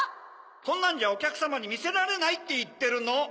こんなんじゃおきゃくさまにみせられないっていってるの！